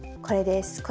これです。